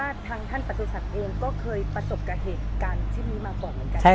แต่ว่าทางท่านปัจจุศัพท์เองก็เคยประสบกับเหตุการณ์ที่มีมาก่อนเหมือนกันใช่ไหม